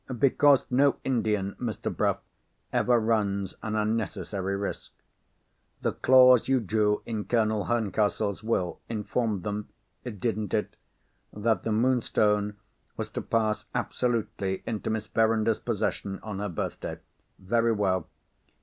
"Because no Indian, Mr. Bruff, ever runs an unnecessary risk. The clause you drew in Colonel Herncastle's Will, informed them (didn't it?) that the Moonstone was to pass absolutely into Miss Verinder's possession on her birthday. Very well.